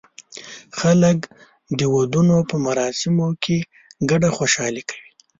خلک د ودونو په مراسمو کې ګډه خوشالي کوي.